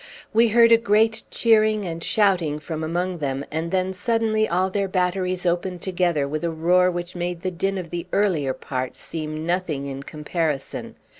We heard a great cheering and shouting from among them, and then suddenly all their batteries opened together with a roar which made the din of the earlier part seem nothing in comparison.